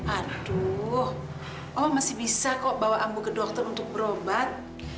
aduh oh masih bisa kok bawa ambu ke dokter untuk berobat